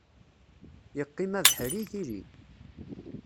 Yeqqim abeḥri, tili.